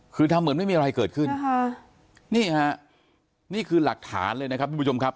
คือทำเหมือนไม่มีอะไรเกิดขึ้นค่ะนี่ฮะนี่คือหลักฐานเลยนะครับทุกผู้ชมครับ